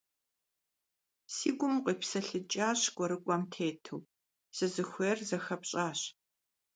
Си гум укъипсэлъыкӀащ кӀуэрыкӀуэм утету, сызыхуейр зыхэпщӀащ.